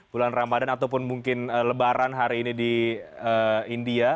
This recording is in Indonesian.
bulan ramadan ataupun mungkin lebaran hari ini di india